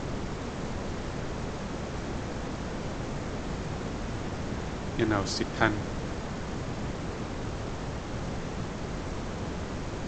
Yan awsitán.